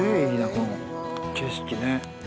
この景色ね